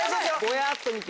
ぼやっと見て。